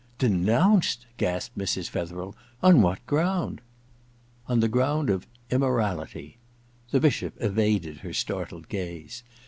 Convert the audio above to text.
• Denounced ?* gasped Mrs. Fetherd. * On what ground ?'* On the ground of immorality.' The Bishop evaded her startled gaze.